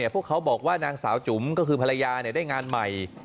พวกเขาบอกว่านางสาวจุ๋มก็คือภรรยาได้งานใหม่